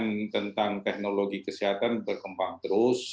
yang tentang teknologi kesehatan berkembang terus